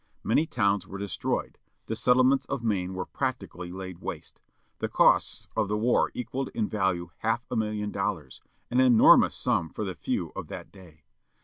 Many towns were destroyed, the settlements of Maine were practically laid waste. The costs of the war equalled in value half a million dollars â an enormous sum for the few of that day.